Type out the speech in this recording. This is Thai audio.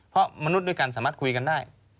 เพราะมนุษย์ด้วยกันสามารถคุยกันได้